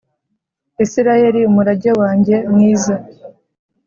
isirayeli umurage wanjye mwiza